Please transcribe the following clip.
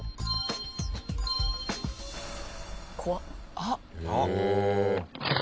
あっ！